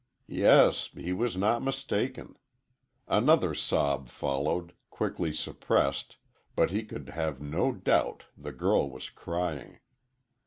Yes, he was not mistaken. Another sob followed, quickly suppressed, but he could have no doubt the girl was crying.